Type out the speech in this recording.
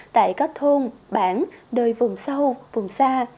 tại các thôn bản đời vùng sâu vùng xa